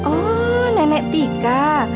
oh nenek tika